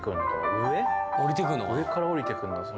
上から降りてくんの？